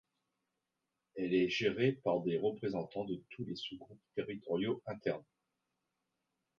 Elle est gérée par des représentants de tous les sous-groupes territoriaux internes.